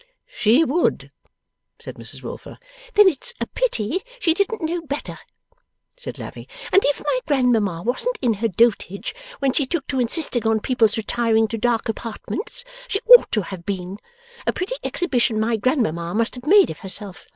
'She would!' said Mrs Wilfer. 'Then it's a pity she didn't know better,' said Lavvy. 'And if my grandmamma wasn't in her dotage when she took to insisting on people's retiring to dark apartments, she ought to have been. A pretty exhibition my grandmamma must have made of herself!